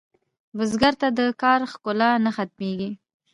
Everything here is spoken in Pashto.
بزګر ته د کار ښکلا نه ختمېږي